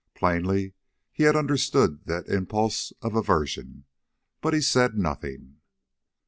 Plainly he had understood that impulse of aversion, but he said nothing.